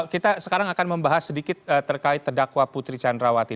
kita sekarang akan membahas sedikit terkait terdakwa putri candrawati